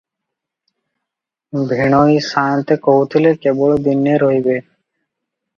ଭିଣୋଇ ସାଆନ୍ତେ କହୁଥିଲେ, କେବଳ ଦିନେ ରହିବେ ।